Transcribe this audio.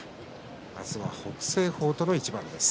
明日は北青鵬との一番です。